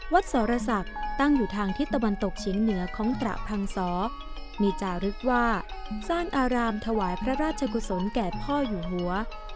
สรศักดิ์ตั้งอยู่ทางทิศตะวันตกเฉียงเหนือของตระพังศมีจารึกว่าสร้างอารามถวายพระราชกุศลแก่พ่ออยู่หัว